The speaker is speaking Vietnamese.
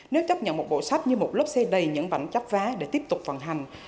nếu chấp nhận một bộ sách như một lớp xe đầy những bảnh chấp vé để tiếp tục vận hành